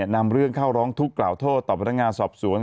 นำเรื่องเข้าร้องทุกข์กล่าวโทษต่อพนักงานสอบสวน